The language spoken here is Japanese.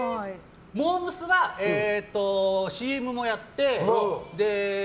モー娘。はＣＭもやって。